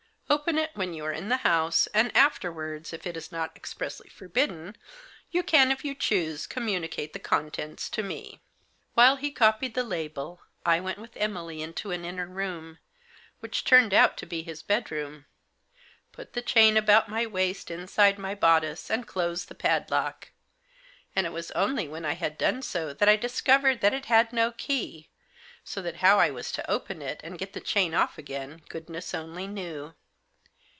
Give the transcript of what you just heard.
Open it when you are in the house, and afterwards, if it is not expressly forbidden, you can, if you choose, communicate the contents to me. While he copied the label I went with Emily into an inner room, which turned out to be his bedroom ; put the chain about my waist inside my bodice, and closed the padlock ; and it was only when I had done so that I discovered that it had no key, so that how * I was to open it, and get the chain off again, goodness only knew.